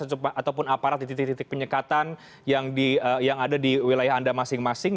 ataupun aparat di titik titik penyekatan yang ada di wilayah anda masing masing